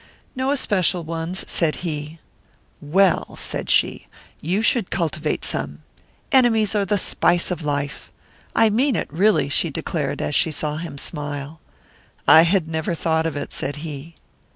"No especial ones," said he. "Well," said she, "you should cultivate some. Enemies are the spice of life. I mean it, really," she declared, as she saw him smile. "I had never thought of it," said he.